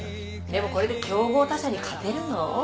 でもこれで競合他社に勝てるの？